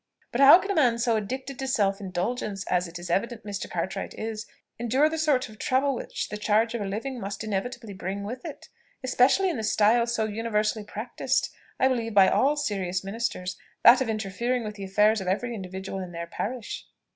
"But how can a man so addicted to self indulgence, as it is evident Mr. Cartwright is, endure the sort of trouble which the charge of a living must inevitably bring with it? especially in the style so universally practised, I believe, by all serious ministers that of interfering with the affairs of every individual in their parish."